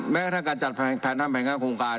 แม้ถ้าการจัดแผนทำแผนงานโครงการ